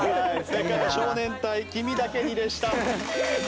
正解は少年隊『君だけに』でした。